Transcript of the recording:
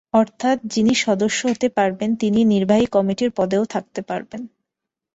অর্থাৎ যিনি সদস্য হতে পারবেন, তিনি নির্বাহী কমিটির পদেও থাকতে পারবেন।